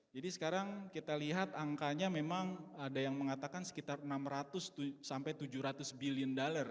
jadi sekarang kita lihat angkanya memang ada yang mengatakan sekitar enam ratus tujuh ratus billion dollar